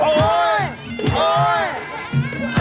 โอ๊ยโอ๊ยโอ๊ย